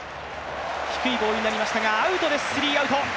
低いボールになりましたがアウトです、スリーアウト。